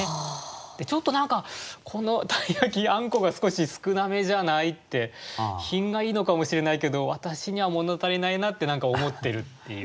ちょっと何かこの鯛焼あんこが少し少なめじゃない？って品がいいのかもしれないけど私には物足りないなって何か思ってるっていう。